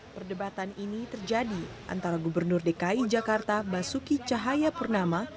perdebatan ini terjadi antara gubernur dki jakarta basuki cahayapurnama